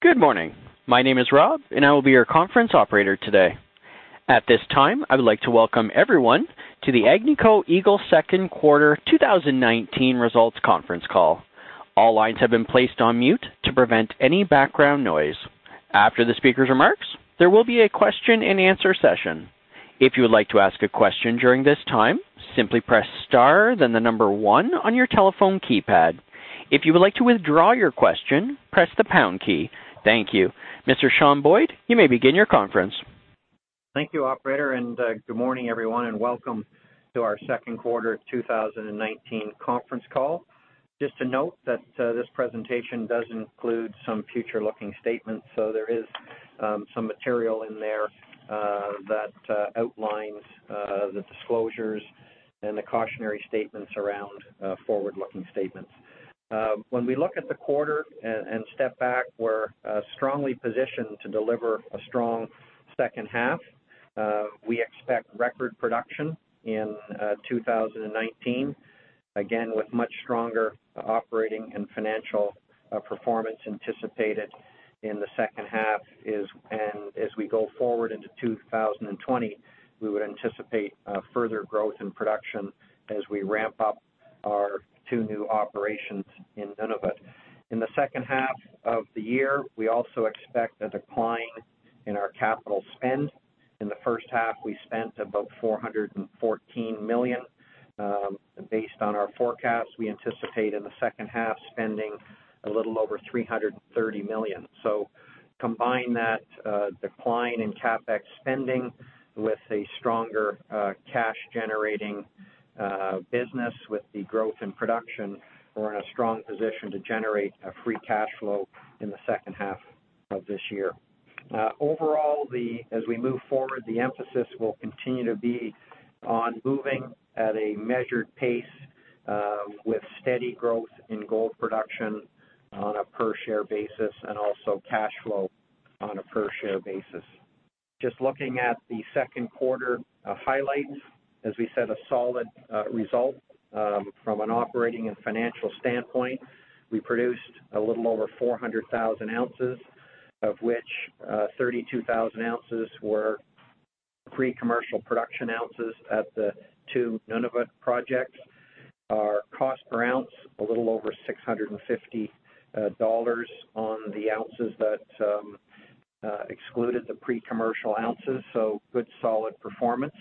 Good morning. My name is Rob. I will be your conference operator today. At this time, I would like to welcome everyone to the Agnico Eagle second quarter 2019 results conference call. All lines have been placed on mute to prevent any background noise. After the speaker's remarks, there will be a question and answer session. If you would like to ask a question during this time, simply press star, then the number 1 on your telephone keypad. If you would like to withdraw your question, press the pound key. Thank you. Mr. Sean Boyd, you may begin your conference. Thank you, operator. Good morning, everyone, and welcome to our second quarter 2019 conference call. Just to note that this presentation does include some future-looking statements. There is some material in there that outlines the disclosures and the cautionary statements around forward-looking statements. When we look at the quarter and step back, we're strongly positioned to deliver a strong second half. We expect record production in 2019, again, with much stronger operating and financial performance anticipated in the second half. As we go forward into 2020, we would anticipate further growth in production as we ramp up our two new operations in Nunavut. In the second half of the year, we also expect a decline in our capital spend. In the first half, we spent about $414 million. Based on our forecast, we anticipate in the second half spending a little over $330 million. Combine that decline in CapEx spending with a stronger cash-generating business with the growth in production, we're in a strong position to generate a free cash flow in the second half of this year. Overall, as we move forward, the emphasis will continue to be on moving at a measured pace with steady growth in gold production on a per share basis and also cash flow on a per share basis. Just looking at the second quarter highlights, as we said, a solid result from an operating and financial standpoint. We produced a little over 400,000 ounces, of which 32,000 ounces were pre-commercial production ounces at the two Nunavut projects. Our cost per ounce, a little over $650 on the ounces that excluded the pre-commercial ounces, so good solid performance.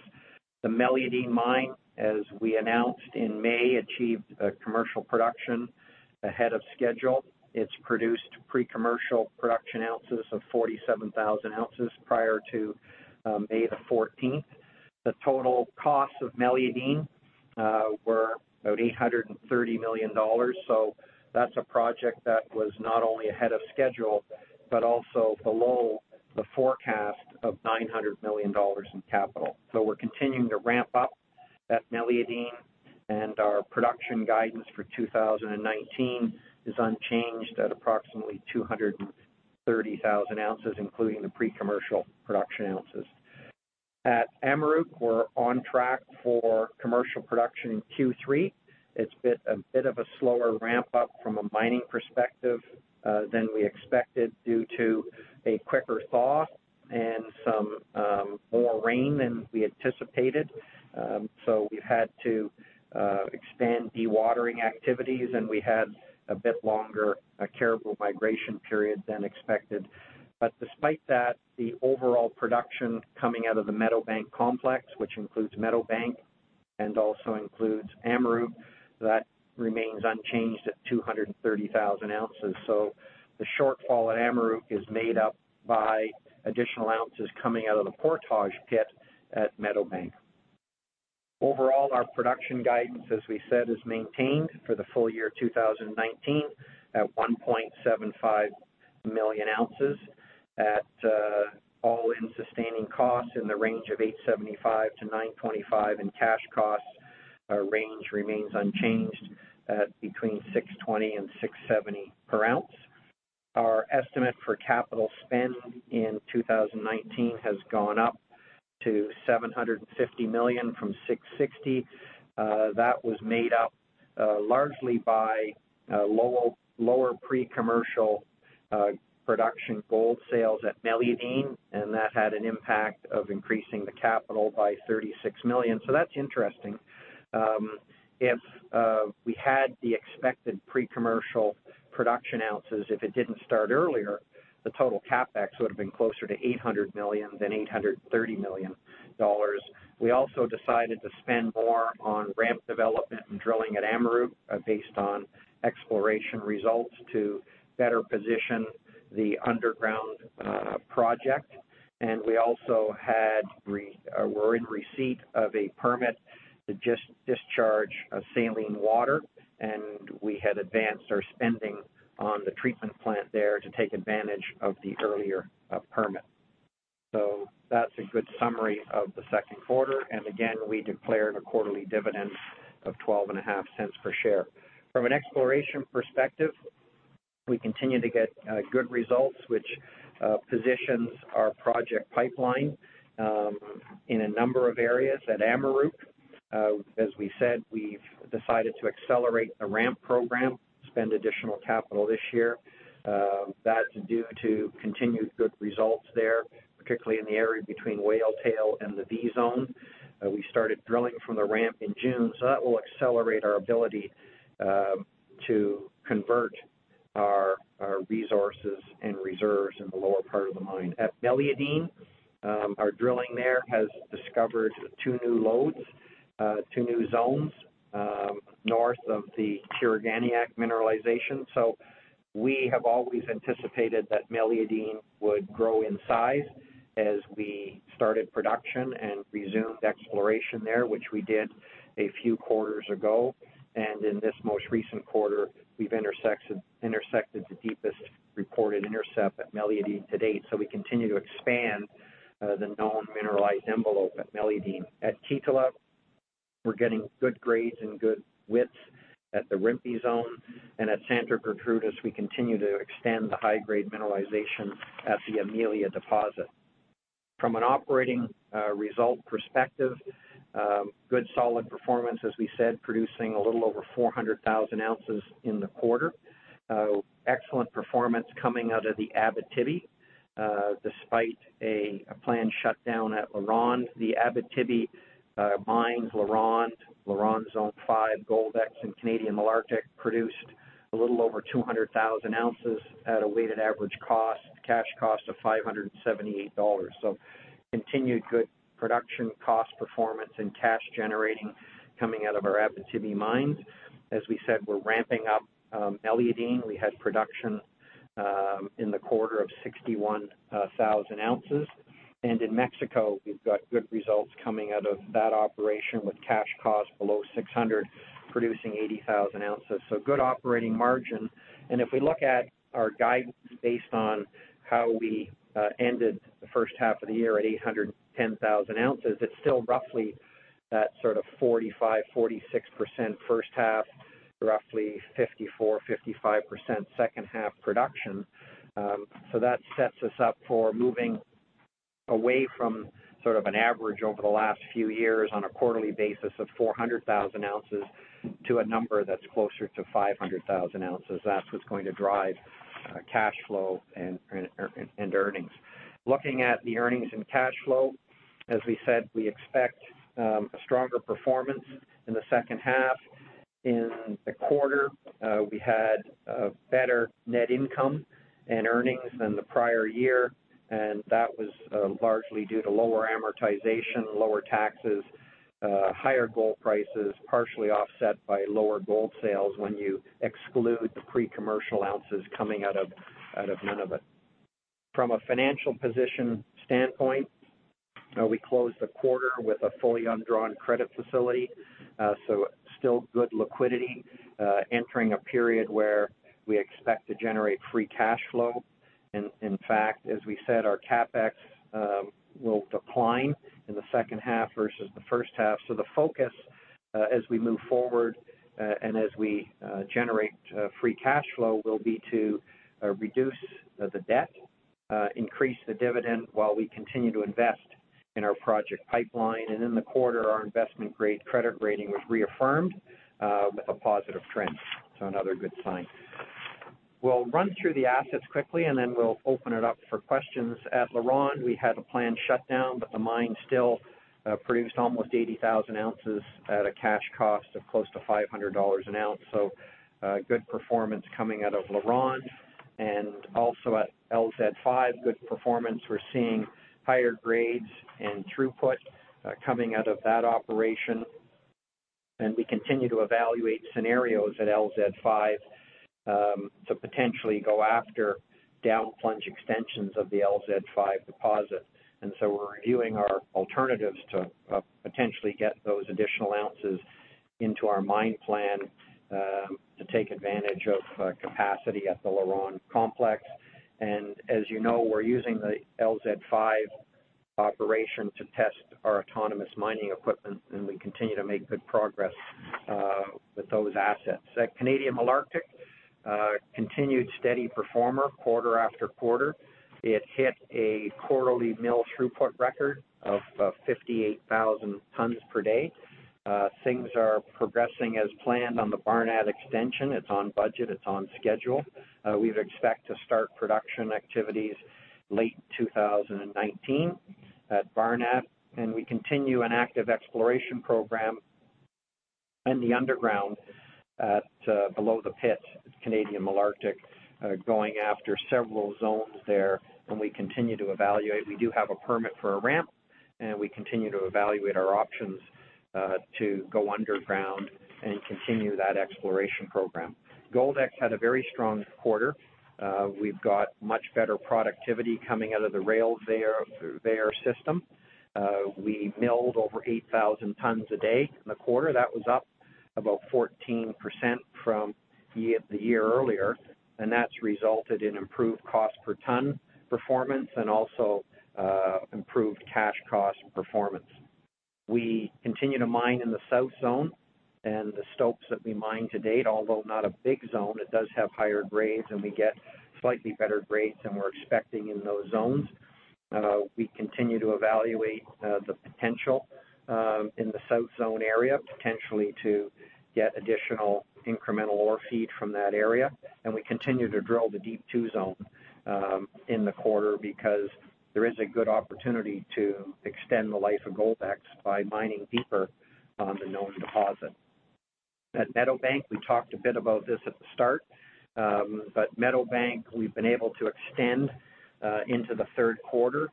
The Meliadine mine, as we announced in May, achieved commercial production ahead of schedule. It's produced pre-commercial production ounces of 47,000 ounces prior to May the 14th. The total costs of Meliadine were about $830 million. That's a project that was not only ahead of schedule, but also below the forecast of $900 million in capital. We're continuing to ramp up at Meliadine, and our production guidance for 2019 is unchanged at approximately 230,000 ounces, including the pre-commercial production ounces. At Amaruq, we're on track for commercial production in Q3. It's a bit of a slower ramp-up from a mining perspective than we expected due to a quicker thaw and some more rain than we anticipated. We've had to expand dewatering activities, and we had a bit longer a caribou migration period than expected. Despite that, the overall production coming out of the Meadowbank Complex, which includes Meadowbank and also includes Amaruq, that remains unchanged at 230,000 ounces. The shortfall at Amaruq is made up by additional ounces coming out of the Portage pit at Meadowbank. Overall, our production guidance, as we said, is maintained for the full year 2019 at 1.75 million ounces at all-in sustaining costs in the range of $875-$925 in cash costs. Our range remains unchanged at between $620-$670 per ounce. Our estimate for capital spend in 2019 has gone up to $750 million from $660 million. That was made up largely by lower pre-commercial production gold sales at Meliadine, and that had an impact of increasing the capital by $36 million. That's interesting. If we had the expected pre-commercial production ounces, if it didn't start earlier, the total CapEx would have been closer to $800 million than $830 million. We also decided to spend more on ramp development and drilling at Amaruq based on exploration results to better position the underground project. We also were in receipt of a permit to discharge saline water, and we had advanced our spending on the treatment plant there to take advantage of the earlier permit. That's a good summary of the second quarter. Again, we declared a quarterly dividend of 0.125 per share. From an exploration perspective, we continue to get good results, which positions our project pipeline in a number of areas at Amaruq. As we said, we've decided to accelerate the ramp program, spend additional capital this year. That's due to continued good results there, particularly in the area between Whale Tail and the V Zone. We started drilling from the ramp in June, that will accelerate our ability to convert our resources and reserves in the lower part of the mine. At Meliadine, our drilling there has discovered two new loads, two new zones north of the Tiriganiaq mineralization. We have always anticipated that Meliadine would grow in size as we started production and resumed exploration there, which we did a few quarters ago. In this most recent quarter, we've intersected the deepest reported intercept at Meliadine to date. We continue to expand the known mineralized envelope at Meliadine. At Kittila, we're getting good grades and good widths at the Rimpi Zone. At Santa Gertrudis, we continue to extend the high-grade mineralization at the Amelia deposit. From an operating result perspective, good solid performance, as we said, producing a little over 400,000 ounces in the quarter. Excellent performance coming out of the Abitibi, despite a planned shutdown at LaRonde. The Abitibi mines LaRonde Zone 5, Goldex, and Canadian Malartic produced a little over 200,000 ounces at a weighted average cost, cash costs of $578. Continued good production cost performance and cash-generating coming out of our Abitibi mines. As we said, we're ramping up Meliadine. We had production in the quarter of 61,000 ounces. In Mexico, we've got good results coming out of that operation with cash costs below $600, producing 80,000 ounces. Good operating margin. If we look at our guidance based on how we ended the first half of the year at 810,000 ounces, it's still roughly that sort of 45%-46% first half, roughly 54%-55% second half production. That sets us up for moving away from sort of an average over the last few years on a quarterly basis of 400,000 ounces to a number that's closer to 500,000 ounces. That's what's going to drive cash flow and earnings. Looking at the earnings and cash flow, as we said, we expect a stronger performance in the second half. In the quarter, we had a better net income in earnings than the prior year, and that was largely due to lower amortization, lower taxes, higher gold prices, partially offset by lower gold sales when you exclude the pre-commercial ounces coming out of Nunavut. From a financial position standpoint, we closed the quarter with a fully undrawn credit facility, so still good liquidity entering a period where we expect to generate free cash flow. In fact, as we said, our CapEx will decline in the second half versus the first half. The focus as we move forward, and as we generate free cash flow, will be to reduce the debt, increase the dividend while we continue to invest in our project pipeline. In the quarter, our investment-grade credit rating was reaffirmed with a positive trend. Another good sign. We'll run through the assets quickly, then we'll open it up for questions. At LaRonde, we had a planned shutdown, but the mine still produced almost 80,000 ounces at a cash cost of close to $500 an ounce. Good performance coming out of LaRonde. Also at LZ 5, good performance. We're seeing higher grades and throughput coming out of that operation. We continue to evaluate scenarios at LZ 5, to potentially go after down-plunge extensions of the LZ 5 deposit. We're reviewing our alternatives to potentially get those additional ounces into our mine plan to take advantage of capacity at the LaRonde complex. As you know, we're using the LZ 5 operation to test our autonomous mining equipment, and we continue to make good progress with those assets. At Canadian Malartic, continued steady performer quarter after quarter. It hit a quarterly mill throughput record of 58,000 tons per day. Things are progressing as planned on the Barnat extension. It's on budget, it's on schedule. We expect to start production activities late 2019 at Barnat, and we continue an active exploration program in the underground at below the pit at Canadian Malartic, going after several zones there, and we continue to evaluate. We do have a permit for a ramp, and we continue to evaluate our options to go underground and continue that exploration program. Goldex had a very strong quarter. We've got much better productivity coming out of the Rail-Veyor system. We milled over 8,000 tons a day in the quarter. That was up about 14% from the year earlier, and that's resulted in improved cost per ton performance and also improved cash cost performance. We continue to mine in the South Zone and the stopes that we mined to date, although not a big zone, it does have higher grades, and we get slightly better grades than we're expecting in those zones. We continue to evaluate the potential in the South Zone area, potentially to get additional incremental ore feed from that area, and we continue to drill the Deep 2 Zone in the quarter because there is a good opportunity to extend the life of Goldex by mining deeper on the known deposit. At Meadowbank, we talked a bit about this at the start. Meadowbank, we've been able to extend into the third quarter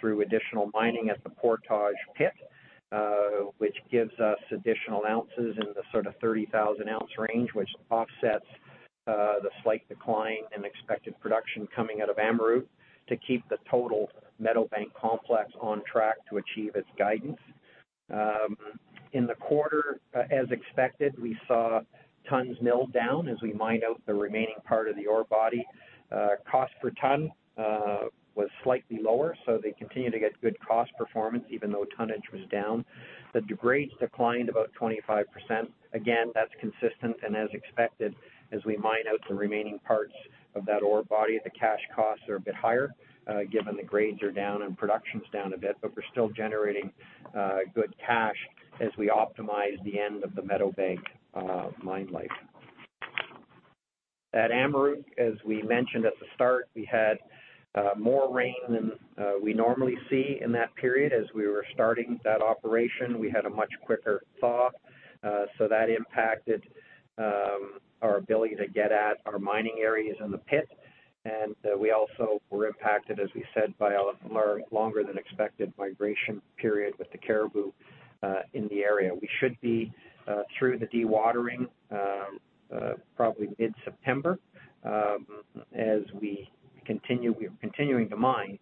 through additional mining at the Portage pit which gives us additional ounces in the 30,000-ounce range, which offsets the slight decline in expected production coming out of Amaruq to keep the total Meadowbank complex on track to achieve its guidance. In the quarter, as expected, we saw tons milled down as we mine out the remaining part of the ore body. Cost per ton was slightly lower, they continue to get good cost performance, even though tonnage was down. The grades declined about 25%. That's consistent and as expected, as we mine out the remaining parts of that ore body. The cash costs are a bit higher, given the grades are down and production's down a bit, we're still generating good cash as we optimize the end of the Meadowbank mine life. At Amaruq, as we mentioned at the start, we had more rain than we normally see in that period. As we were starting that operation, we had a much quicker thaw so that impacted our ability to get at our mining areas in the pit. We also were impacted, as we said, by a longer than expected migration period with the caribou in the area. We should be through the dewatering probably mid-September. As we're continuing to mine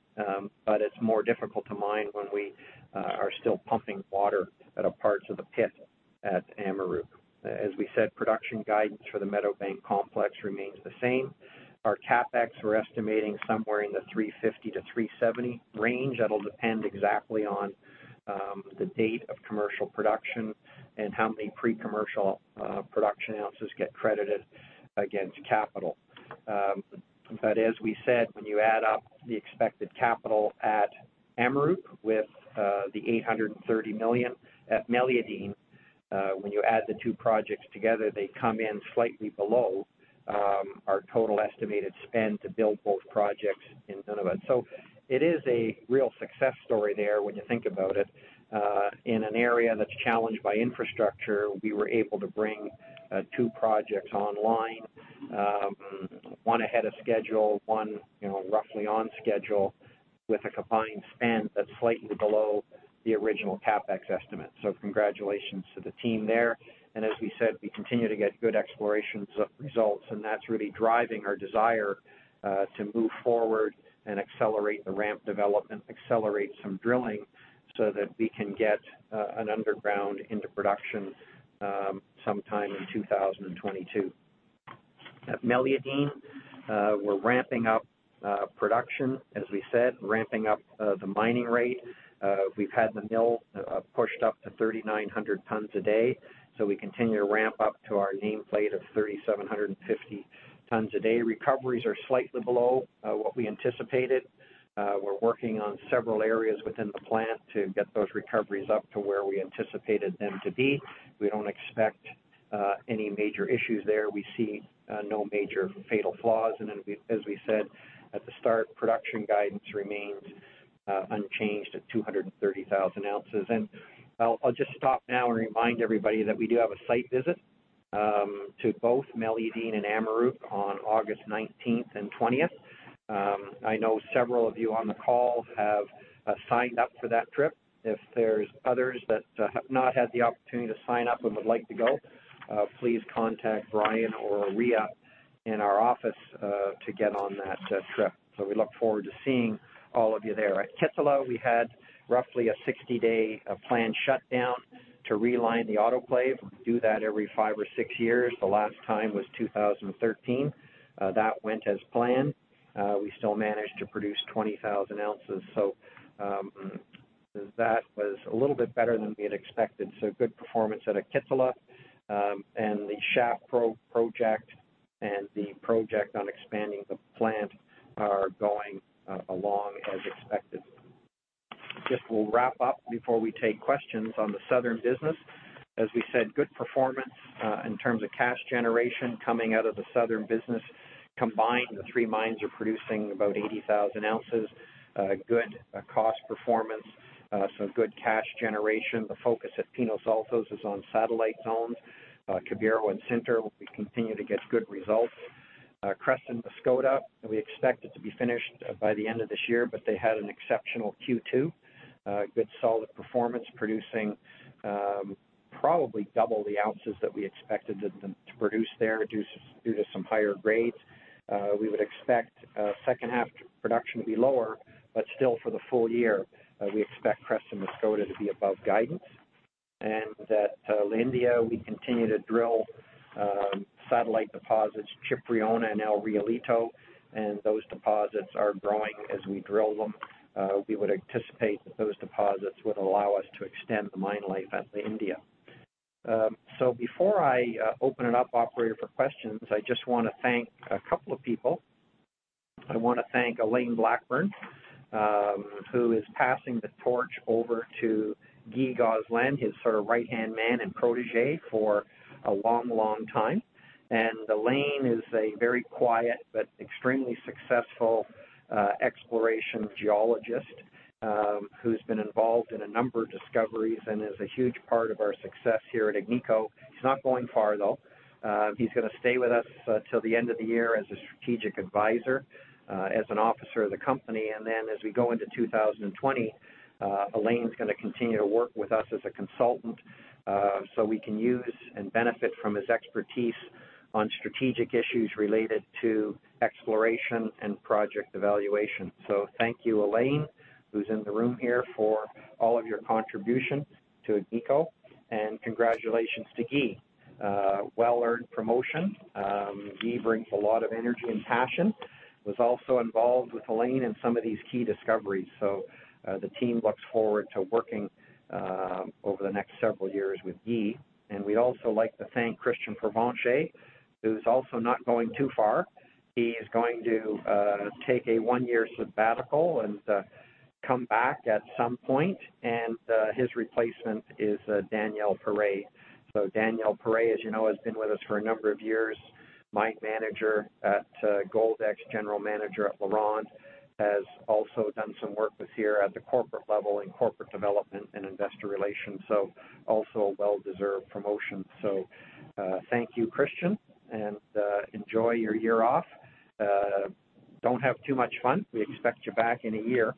but it's more difficult to mine when we are still pumping water out of parts of the pit at Amaruq. As we said, production guidance for the Meadowbank complex remains the same. Our CapEx, we're estimating somewhere in the $350-$370 range. That'll depend exactly on the date of commercial production and how many pre-commercial production ounces get credited against capital. As we said, when you add up the expected capital at Amaruq with the 830 million at Meliadine, when you add the two projects together, they come in slightly below our total estimated spend to build both projects in Nunavut. It is a real success story there when you think about it. In an area that's challenged by infrastructure, we were able to bring two projects online. One ahead of schedule, one roughly on schedule with a combined spend that's slightly below the original CapEx estimate. Congratulations to the team there. As we said, we continue to get good exploration results, and that's really driving our desire to move forward and accelerate the ramp development, accelerate some drilling so that we can get an underground into production sometime in 2022. At Meliadine, we're ramping up production, as we said, ramping up the mining rate. We've had the mill pushed up to 3,900 tons a day. We continue to ramp up to our nameplate of 3,750 tons a day. Recoveries are slightly below what we anticipated. We're working on several areas within the plant to get those recoveries up to where we anticipated them to be. We don't expect any major issues there. We see no major fatal flaws. As we said at the start, production guidance remains unchanged at 230,000 ounces. I'll just stop now and remind everybody that we do have a site visit to both Meliadine and Amaruq on August 19th and 20th. I know several of you on the call have signed up for that trip. If there's others that have not had the opportunity to sign up and would like to go, please contact Brian or Rhea in our office to get on that trip. We look forward to seeing all of you there. At Kittila, we had roughly a 60-day planned shutdown to realign the autoclave. We do that every five or six years. The last time was 2013. That went as planned. We still managed to produce 20,000 ounces, so that was a little bit better than we had expected. Good performance out of Kittila. The shaft project and the project on expanding the plant are going along as expected. Just will wrap up before we take questions on the southern business. As we said, good performance in terms of cash generation coming out of the southern business. Combined, the three mines are producing about 80,000 ounces. Good cost performance. Good cash generation. The focus at Pinos Altos is on satellite zones. Cubiro and Sinter, we continue to get good results. Creston-Mascota, we expect it to be finished by the end of this year. They had an exceptional Q2. Good, solid performance, producing probably double the ounces that we expected them to produce there due to some higher grades. We would expect second half production to be lower. Still for the full year, we expect Creston-Mascota to be above guidance. That La India, we continue to drill satellite deposits, Chipriona and El Realito. Those deposits are growing as we drill them. We would anticipate that those deposits would allow us to extend the mine life at La India. Before I open it up, operator, for questions, I just want to thank a couple of people. I want to thank Alain Blackburn, who is passing the torch over to Guy Gosselin, his right-hand man and protégé for a long time. Alain is a very quiet but extremely successful exploration geologist who's been involved in a number of discoveries and is a huge part of our success here at Agnico. He's not going far, though. He's going to stay with us till the end of the year as a strategic advisor, as an officer of the company, and then as we go into 2020, Alain's going to continue to work with us as a consultant so we can use and benefit from his expertise on strategic issues related to exploration and project evaluation. Thank you, Alain, who's in the room here, for all of your contributions to Agnico, and congratulations to Guy. Well-earned promotion. Guy brings a lot of energy and passion. Guy was also involved with Alain in some of these key discoveries. The team looks forward to working over the next several years with Guy. We'd also like to thank Christian Provencher, who's also not going too far. He is going to take a one-year sabbatical and come back at some point, and his replacement is Daniel Paré. Daniel Paré, as you know, has been with us for a number of years. Mine manager at Goldex, general manager at LaRonde. Has also done some work with here at the corporate level in corporate development and investor relations, also a well-deserved promotion. Thank you, Christian, and enjoy your year off. Don't have too much fun. We expect you back in a year.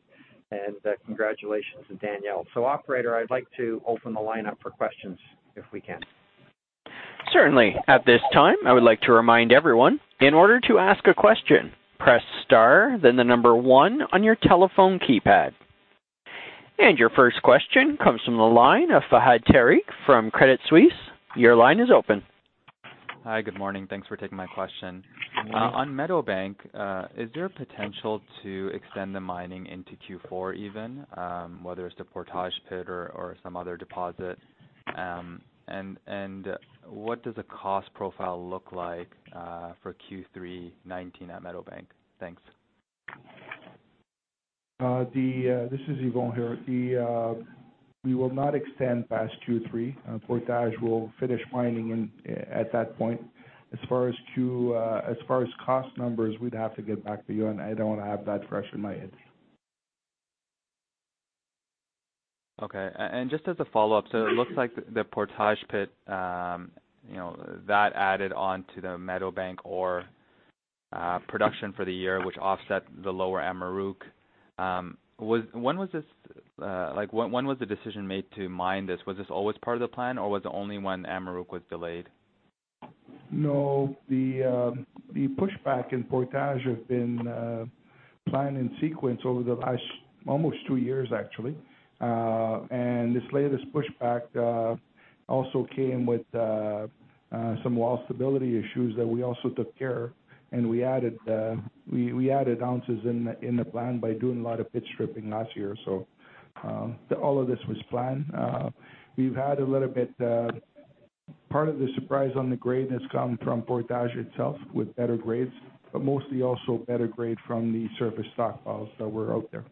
Congratulations to Daniel. Operator, I'd like to open the line up for questions if we can. Certainly. At this time, I would like to remind everyone, in order to ask a question, press star, then the number one on your telephone keypad. Your first question comes from the line of Fahad Tariq from Credit Suisse. Your line is open. Hi. Good morning. Thanks for taking my question. Good morning. On Meadowbank, is there a potential to extend the mining into Q4 even, whether it's the Portage pit or some other deposit? What does the cost profile look like for Q3 2019 at Meadowbank? Thanks. This is Yvon here. We will not extend past Q3. Portage will finish mining at that point. As far as cost numbers, we'd have to get back to you on that. I don't have that fresh in my head. Okay. Just as a follow-up, it looks like the Portage pit, that added on to the Meadowbank ore production for the year, which offset the lower Amaruq. When was the decision made to mine this? Was this always part of the plan, or was it only when Amaruq was delayed? No, the pushback in Portage had been planned in sequence over the last almost two years, actually. This latest pushback also came with some wall stability issues that we also took care of, and we added ounces in the plan by doing a lot of pit stripping last year. All of this was planned. Part of the surprise on the grade has come from Portage itself with better grades, but mostly also better grade from the surface stockpiles that were out there.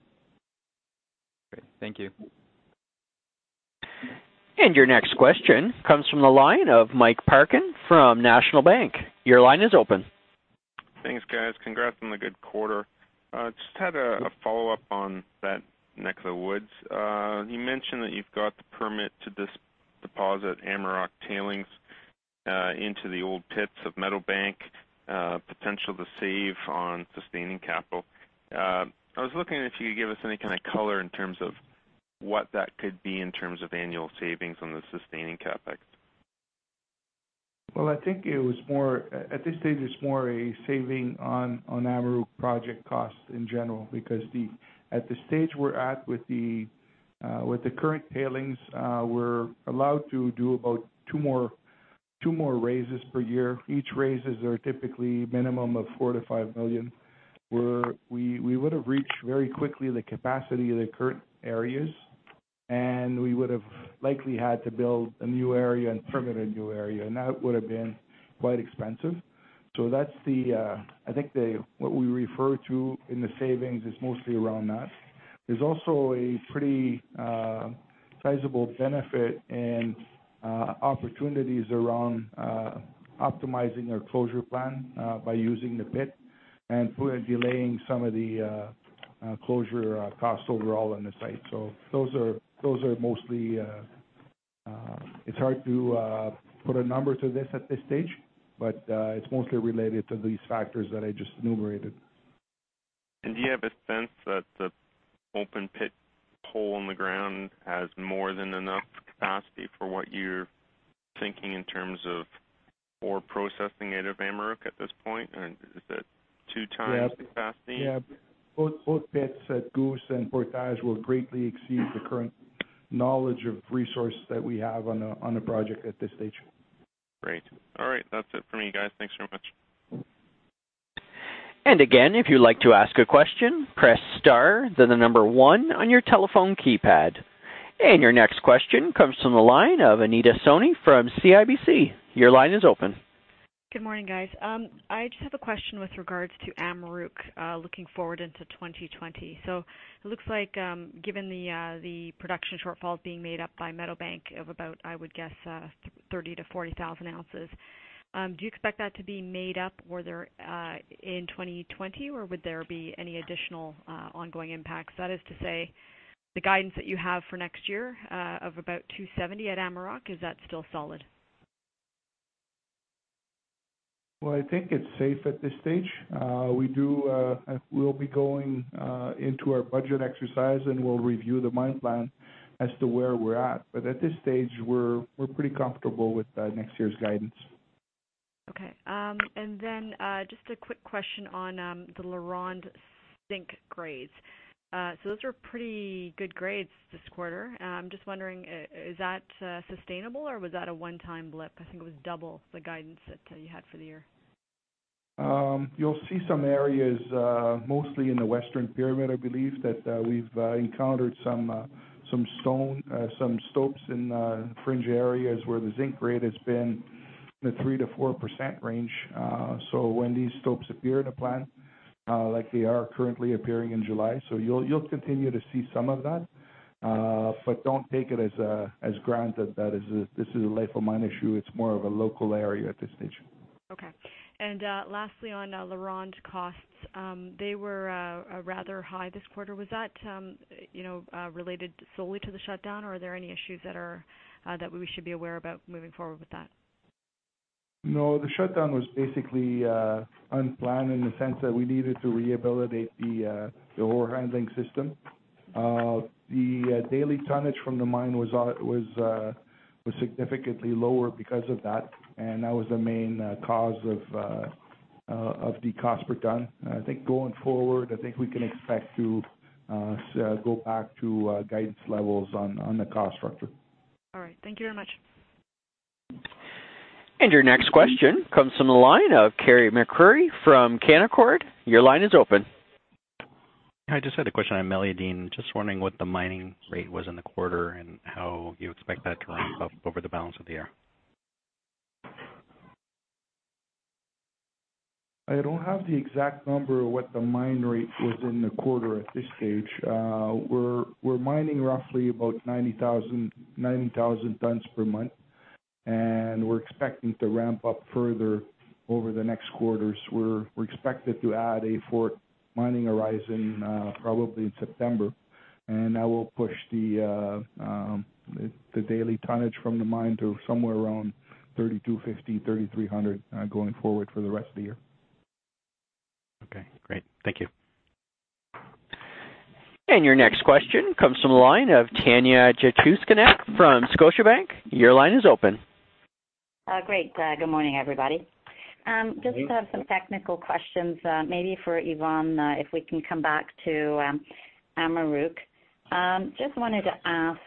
Great. Thank you. Your next question comes from the line of Mike Parkin from National Bank. Your line is open. Thanks, guys. Congrats on the good quarter. Just had a follow-up on that neck of the woods. You mentioned that you've got the permit to deposit Amaruq tailings into the old pits of Meadowbank, potential to save on sustaining capital. I was looking if you could give us any kind of color in terms of what that could be in terms of annual savings on the sustaining CapEx. Well, I think at this stage, it's more a saving on Amaruq project costs in general, because at the stage we're at with the current tailings, we're allowed to do about two more raises per year. Each raises are typically minimum of $4 million-$5 million. We would've reached very quickly the capacity of the current areas, and we would've likely had to build a new area and permit a new area, and that would've been quite expensive. I think what we refer to in the savings is mostly around that. There's also a pretty sizable benefit and opportunities around optimizing our closure plan by using the pit and delaying some of the closure costs overall on the site. It's hard to put a number to this at this stage, but it's mostly related to these factors that I just enumerated. Do you have a sense that the open pit hole in the ground has more than enough capacity for what you're thinking in terms of ore processing out of Amaruq at this point? Is it two times the capacity? Yeah. Both pits at Goose and Portage will greatly exceed the current knowledge of resources that we have on the project at this stage. Great. All right. That's it for me, guys. Thanks very much. Again, if you'd like to ask a question, press star, then the number 1 on your telephone keypad. Your next question comes from the line of Anita Soni from CIBC. Your line is open. Good morning, guys. I just have a question with regards to Amaruq, looking forward into 2020. It looks like, given the production shortfalls being made up by Meadowbank of about, I would guess, 30,000 to 40,000 ounces, do you expect that to be made up in 2020, or would there be any additional ongoing impacts? That is to say, the guidance that you have for next year of about 270 at Amaruq, is that still solid? Well, I think it's safe at this stage. We'll be going into our budget exercise, and we'll review the mine plan as to where we're at. But at this stage, we're pretty comfortable with next year's guidance. Okay. Just a quick question on the LaRonde zinc grades. Those were pretty good grades this quarter. I am just wondering, is that sustainable, or was that a one-time blip? I think it was double the guidance that you had for the year. You'll see some areas, mostly in the western pyramid, I believe, that we've encountered some stopes in fringe areas where the zinc grade has been in the 3%-4% range, when these stopes appear in a plan, like they are currently appearing in July. You'll continue to see some of that. Don't take it as granted that this is a life of mine issue. It's more of a local area at this stage. Okay. Lastly, on LaRonde costs. They were rather high this quarter. Was that related solely to the shutdown, or are there any issues that we should be aware about moving forward with that? The shutdown was basically unplanned in the sense that we needed to rehabilitate the ore handling system. The daily tonnage from the mine was significantly lower because of that, and that was the main cause of the cost per ton. I think going forward, we can expect to go back to guidance levels on the cost structure. All right. Thank you very much. Your next question comes from the line of Carey MacRury from Canaccord. Your line is open. I just had a question on Meliadine. Just wondering what the mining rate was in the quarter and how you expect that to ramp up over the balance of the year. I don't have the exact number of what the mine rate was in the quarter at this stage. We're mining roughly about 90,000 tons per month, and we're expecting to ramp up further over the next quarters. We're expected to add a fourth mining horizon probably in September, and that will push the daily tonnage from the mine to somewhere around 3,250, 3,300 going forward for the rest of the year. Okay, great. Thank you. Your next question comes from the line of Tanya Jakusconek from Scotiabank. Your line is open. Great. Good morning, everybody. Good morning. Just have some technical questions, maybe for Yvon, if we can come back to Amaruq. Just wanted to ask,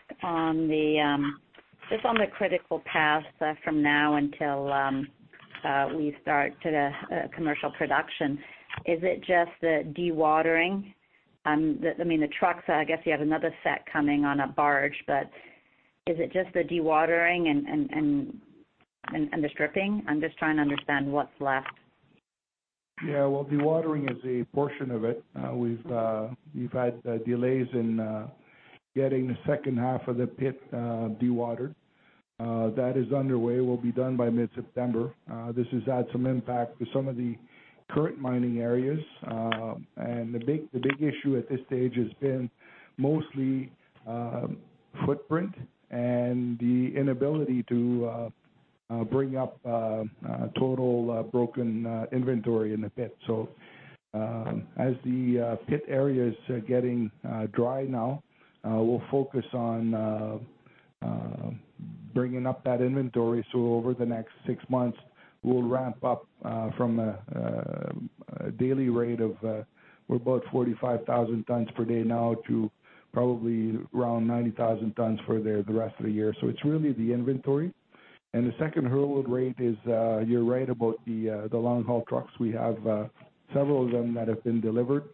just on the critical path from now until we start commercial production, is it just the dewatering? I mean, the trucks, I guess you have another set coming on a barge, but is it just the dewatering and the stripping? I'm just trying to understand what's left. Well, dewatering is a portion of it. We've had delays in getting the second half of the pit dewatered. That is underway, will be done by mid-September. This has had some impact to some of the current mining areas. The big issue at this stage has been mostly footprint and the inability to bring up total broken inventory in the pit. As the pit area's getting dry now, we'll focus on bringing up that inventory. Over the next six months, we'll ramp up from a daily rate of, we're about 45,000 tons per day now, to probably around 90,000 tons for the rest of the year. It's really the inventory. The second hurdle rate is, you're right about the long-haul trucks. We have several of them that have been delivered.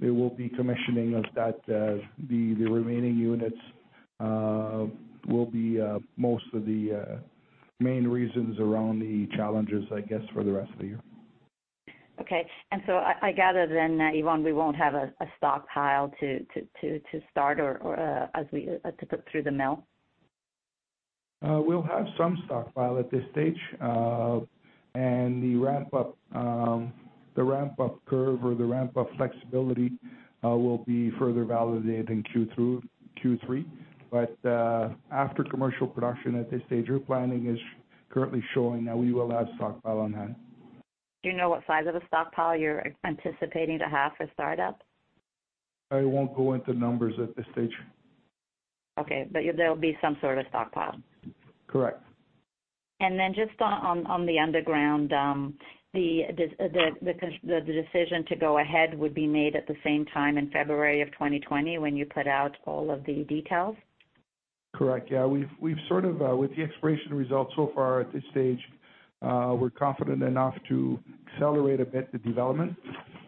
We will be commissioning of that. The remaining units will be most of the main reasons around the challenges, I guess, for the rest of the year. Okay. I gather then, Yvon, we won't have a stockpile to start or to put through the mill? We'll have some stockpile at this stage. The ramp-up curve or the ramp-up flexibility will be further validated in Q2, Q3. After commercial production, at this stage, we're planning is currently showing that we will have stockpile on hand. Do you know what size of a stockpile you're anticipating to have for startup? I won't go into numbers at this stage. Okay. There'll be some sort of stockpile. Correct. Just on the underground, the decision to go ahead would be made at the same time in February of 2020 when you put out all of the details? Correct. Yeah, with the exploration results so far at this stage, we're confident enough to accelerate a bit the development.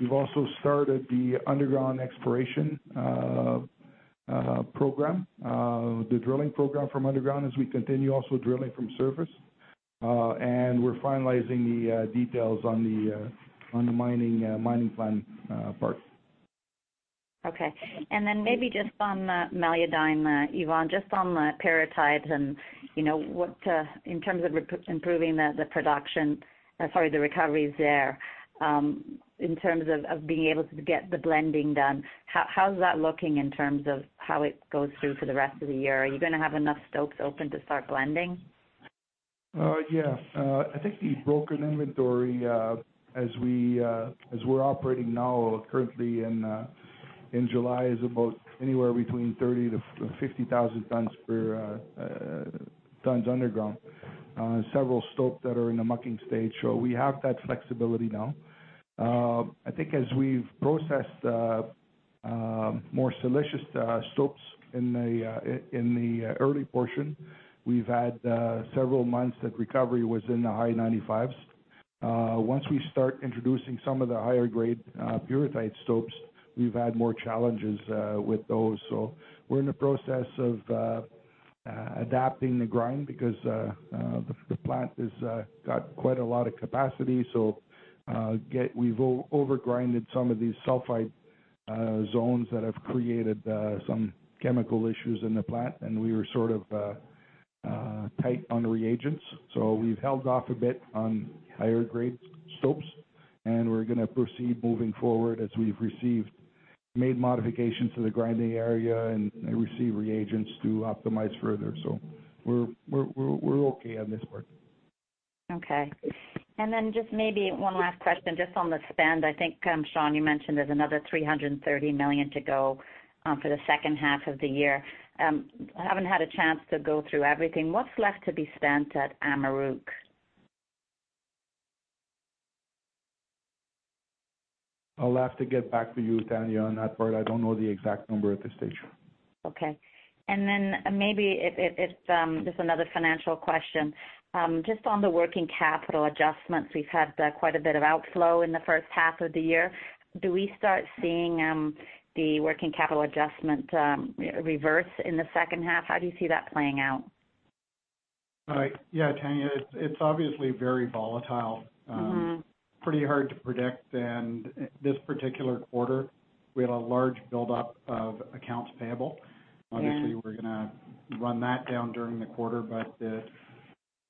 We've also started the underground exploration program, the drilling program from underground as we continue also drilling from surface. We're finalizing the details on the mining plan part. Okay. Maybe just on Meliadine, Yvon, just on the pyrrhotite and in terms of improving the production, sorry, the recoveries there, in terms of being able to get the blending done, how's that looking in terms of how it goes through for the rest of the year? Are you going to have enough stopes open to start blending? I think the broken inventory, as we're operating now currently in July, is about anywhere between 30,000 to 50,000 tons underground. Several stopes that are in the mucking stage. We have that flexibility now. I think as we've processed more siliceous stopes in the early portion, we've had several months that recovery was in the high 95s. Once we start introducing some of the higher grade pyrrhotite stopes, we've had more challenges with those. We're in the process of adapting the grind because the plant has got quite a lot of capacity. We've over-grinded some of these sulfide zones that have created some chemical issues in the plant, and we were sort of tight on reagents. We've held off a bit on higher grade stopes, and we're going to proceed moving forward as we've made modifications to the grinding area and receive reagents to optimize further. We're okay on this part. Okay. Just maybe one last question, just on the spend. I think, Sean, you mentioned there's another $330 million to go for the second half of the year. I haven't had a chance to go through everything. What's left to be spent at Amaruq? I'll have to get back to you, Tanya, on that part. I don't know the exact number at this stage. Okay. Maybe just another financial question. Just on the working capital adjustments, we've had quite a bit of outflow in the first half of the year. Do we start seeing the working capital adjustment reverse in the second half? How do you see that playing out? Yeah, Tanya, it's obviously very volatile. Pretty hard to predict. This particular quarter, we had a large buildup of accounts payable. Yeah. We're going to run that down during the quarter, but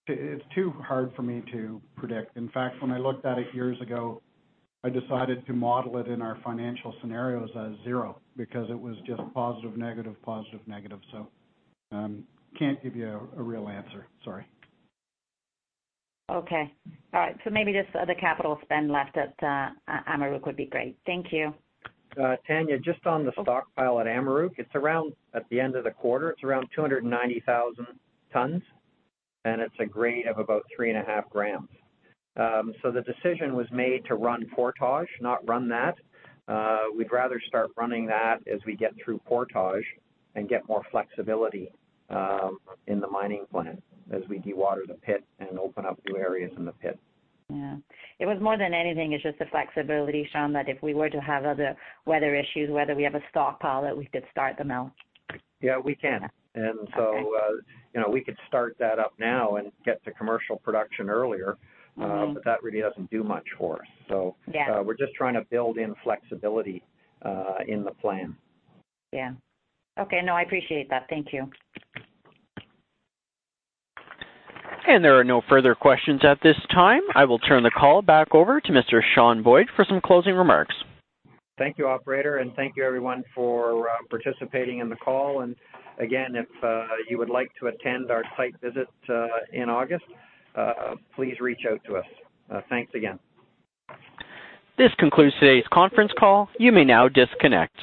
it's too hard for me to predict. In fact, when I looked at it years ago, I decided to model it in our financial scenarios as zero, because it was just positive, negative, positive, negative. Can't give you a real answer, sorry. Okay. All right. Maybe just the capital spend left at Amaruq would be great. Thank you. Tanya, just on the stockpile at Amaruq, at the end of the quarter, it's around 290,000 tons, and it's a grade of about three and a half grams. The decision was made to run Portage, not run that. We'd rather start running that as we get through Portage and get more flexibility in the mining plan as we dewater the pit and open up new areas in the pit. Yeah. It was more than anything, it's just the flexibility, Sean, that if we were to have other weather issues, whether we have a stockpile that we could start the mill. Yeah, we can. Okay. We could start that up now and get to commercial production earlier. That really doesn't do much for us. Yeah. We're just trying to build in flexibility in the plan. Yeah. Okay, no, I appreciate that. Thank you. There are no further questions at this time. I will turn the call back over to Mr. Sean Boyd for some closing remarks. Thank you, operator, and thank you everyone for participating in the call. Again, if you would like to attend our site visit in August, please reach out to us. Thanks again. This concludes today's conference call. You may now disconnect.